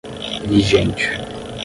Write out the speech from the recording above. vigente